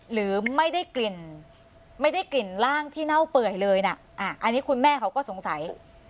หรือไม่ได้กลิ่นไม่ได้กลิ่นร่างที่เน่าเปื่อยเลยนะอันนี้คุณแม่เขาก็สงสัย